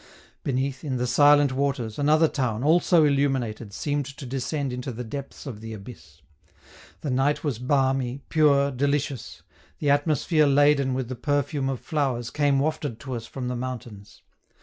Beneath, in the silent waters, another town, also illuminated, seemed to descend into the depths of the abyss. The night was balmy, pure, delicious; the atmosphere laden with the perfume of flowers came wafted to us from the mountains.